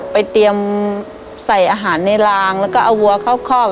เตรียมใส่อาหารในลางแล้วก็เอาวัวเข้าคอก